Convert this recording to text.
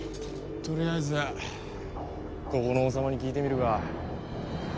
とりあえずここの王サマに聞いてみるか。